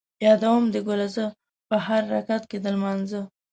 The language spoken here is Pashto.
یادوم دې ګله زه ـ په هر رکعت کې د لمانځه